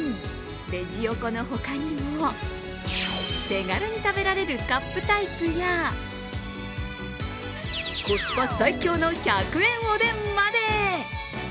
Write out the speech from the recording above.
レジ横のほかにも、手軽に食べられるカップタイプやコスパ最強の１００円おでんまで。